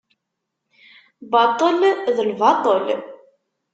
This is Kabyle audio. Baṭel d lbaṭel.